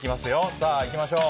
さあ、いきましょう。